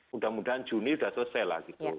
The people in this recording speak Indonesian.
mudah mudahan juni sudah selesai lah gitu